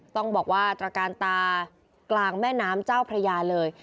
ต้องบอกว่าตระการตากลางแม่น้ำเจ้าพระยาเลย